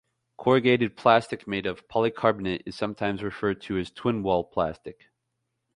Corrugated plastic made of polycarbonate is sometimes referred to as Twinwall plastic.